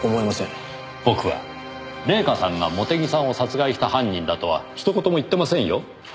僕は礼夏さんが茂手木さんを殺害した犯人だとはひと言も言ってませんよ。